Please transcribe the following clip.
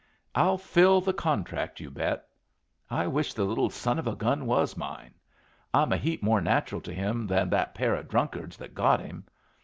"I'll fill the contract, you bet! I wish the little son of a gun was mine. I'm a heap more natural to him than that pair of drunkards that got him.